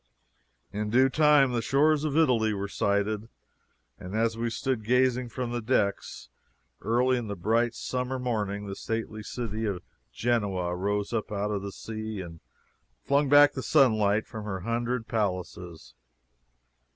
In due time the shores of Italy were sighted, and as we stood gazing from the decks, early in the bright summer morning, the stately city of Genoa rose up out of the sea and flung back the sunlight from her hundred palaces.